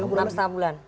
iya enam setengah bulan